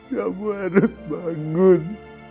kamu harus bangun